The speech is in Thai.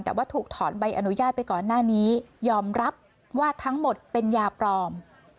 แต่ว่าถูกถอนใบอนุญาตไปก่อนหน้านี้ยอมรับว่าทั้งหมดเป็นยาปลอม